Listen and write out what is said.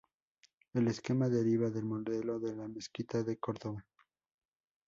El esquema deriva del modelo de la mezquita de Córdoba.